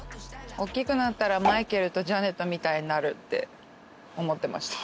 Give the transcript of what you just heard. おっきくなったらマイケルとジャネットみたいになるって思ってました。